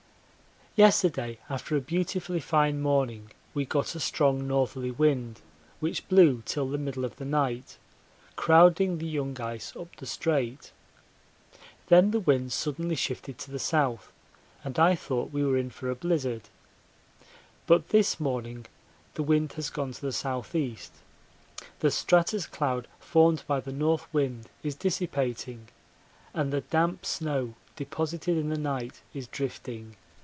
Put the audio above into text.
Yesterday after a beautifully fine morning we got a strong northerly wind which blew till the middle of the night, crowding the young ice up the Strait. Then the wind suddenly shifted to the south, and I thought we were in for a blizzard; but this morning the wind has gone to the S.E. the stratus cloud formed by the north wind is dissipating, and the damp snow deposited in the night is drifting.